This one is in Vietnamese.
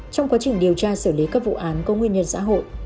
trong quá trình điều tra xử lý các vụ án có nguyên nhân xã hội